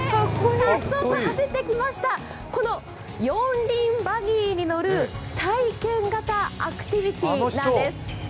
さっそうと走ってきました四輪バギーに乗る体験型アクティビティーなんです。